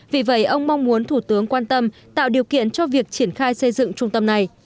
vì vậy ông mong muốn thủ tướng quan tâm tạo điều kiện cho việc triển khai xây dựng trung tâm này